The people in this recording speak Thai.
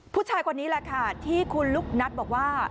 ผู้ชายคนนี้แหละค่ะที่คุณลูกนัทบอกว่า